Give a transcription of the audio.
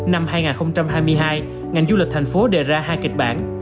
năm hai nghìn hai mươi hai ngành du lịch thành phố đề ra hai kịch bản